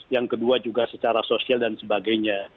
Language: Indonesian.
yang kedua juga secara sosial dan sebagainya